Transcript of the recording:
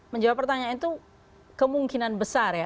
menjawab pertanyaan itu kemungkinan besar ya